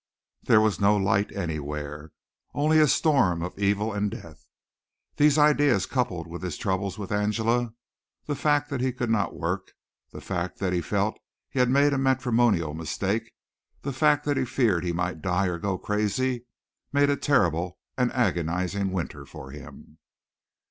There was no light anywhere. Only a storm of evil and death. These ideas coupled with his troubles with Angela, the fact that he could not work, the fact that he felt he had made a matrimonial mistake, the fact that he feared he might die or go crazy, made a terrible and agonizing winter for him.